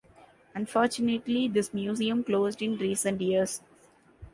Unfortunately, this Museum closed in recent years.